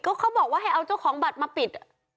เขาบอกว่าให้เอาเจ้าของบัตรมาปิด